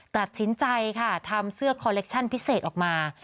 ตัดสินใจค่ะทำเสื้อคอเล็กชั่นพิเศษออกมา